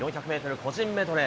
個人メドレー。